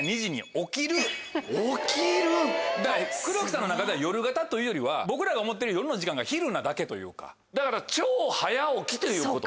起きる⁉黒木さんの中では夜型というよりは僕らが思ってる夜の時間が昼なだけというか。ということ？